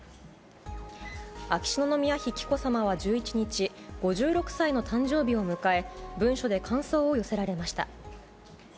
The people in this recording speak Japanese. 秋篠宮妃紀子さまは１１日、５６歳の誕生日を迎え、文書で感想を寄せられました。